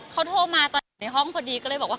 เขาโทรมาตอนอยู่ในห้องพอดีก็เลยบอกว่า